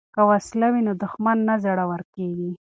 که وسله وي نو دښمن نه زړور کیږي.